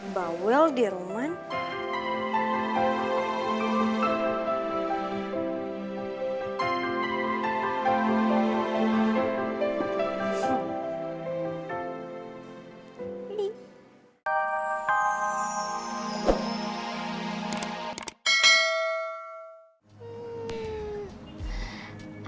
bawel di rumah